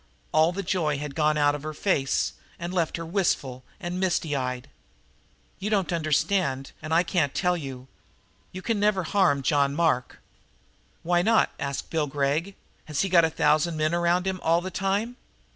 All the joy had gone out of her face and left her wistful and misty eyed. "You don't understand, and I can't tell you. You can never harm John Mark." "Why not?" asked Bill Gregg. "Has he got a thousand men around him all the time?